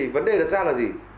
vấn đề đặt ra là gì